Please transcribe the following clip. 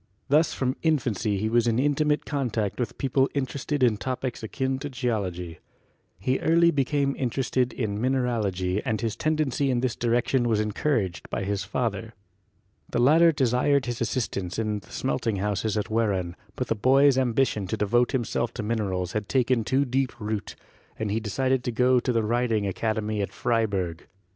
Thus from infancy he was in intimate con tact with people interested in topics akin to Geology. He early became interested in mineralogy and his tendency in this direction was encouraged by his father. The latter desired his assistance in the smelting houses at Wehran, but the boy's ambition to devote himself to minerals had taken too deep root, and he decided to go to the Riding Academy at Freiburg.